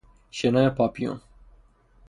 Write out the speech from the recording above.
شنا پاپیون